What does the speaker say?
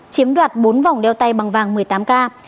chiếm đoạt bốn vòng đeo tay bằng vàng một mươi tám k